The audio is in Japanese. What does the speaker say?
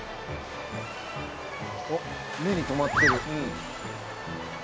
おっ目に留まってる。